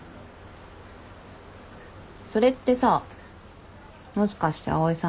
それってさもしかして蒼井さんのこと？